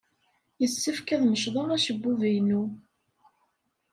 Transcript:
Yessefk ad mecḍeɣ acebbub-inu.